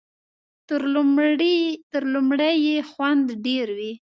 تر لومړي یې خوند ډېر وي .